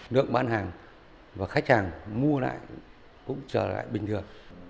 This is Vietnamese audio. lượng bán hàng và khách hàng mua lại cũng trở lại bình thường